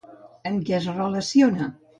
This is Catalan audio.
Amb què es relaciona?